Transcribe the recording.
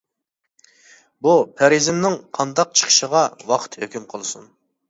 بۇ پەرىزىمنىڭ قانداق چىقىشىغا ۋاقىت ھۆكۈم قىلسۇن.